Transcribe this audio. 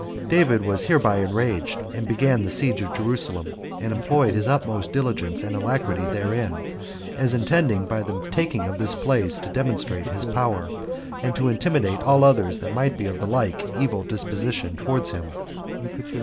David was hereby enraged, and began the siege of Jerusalem, and employed his utmost diligence and alacrity therein, as intending by the taking of this place to demonstrate his power, and to intimidate all others that might be of the like [evil] disposition towards him.